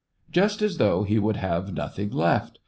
" Just as though he would have nothing left